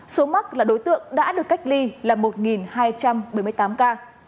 số mắc là đối tượng đã được cách ly là một hai trăm bảy mươi tám ca